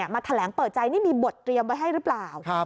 มาแถลงเปิดใจนี่มีบทเตรียมไว้ให้หรือเปล่า